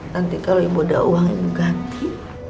nanti kalau ibu ada uang ibu ganti